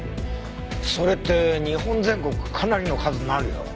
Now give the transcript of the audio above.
それって日本全国かなりの数になるよ。